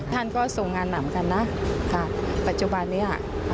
ท่านก็ทรงงานหนำกันนะค่ะปัจจุบันนี้